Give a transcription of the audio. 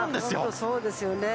そうですよね。